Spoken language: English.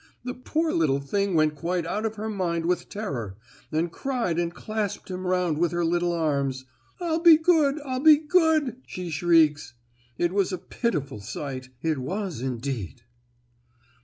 The poor little thing went quite out of her mind with terror, and cried and clasped him round with her little arms. 'I'll be good—I'll be good!' she shrieks. It was a pitiful sight—it was, indeed!"